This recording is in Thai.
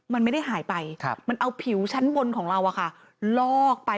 มันไม่ได้หายไปมันเอาผิวชั้นบนของเราลอกไป